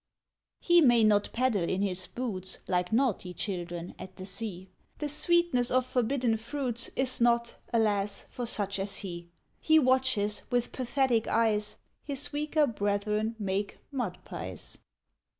He may not paddle in his boots, Like naughty children, at the Sea; The sweetness of Forbidden Fruits Is not, alas! for such as he. He watches, with pathetic eyes, His weaker brethren make mud pies.